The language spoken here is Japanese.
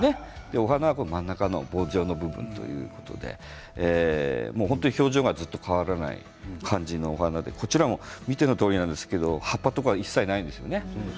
お花は真ん中の棒状の部分ということで表情が変わらないような花でこちらも見てのとおり葉っぱとかが一切ないんですよね。